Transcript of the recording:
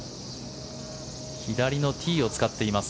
左のティーを使っています。